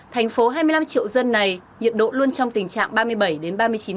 thành phố hai mươi năm triệu dân này nhiệt độ luôn trong tình trạng